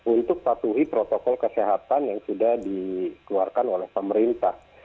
untuk patuhi protokol kesehatan yang sudah dikeluarkan oleh pemerintah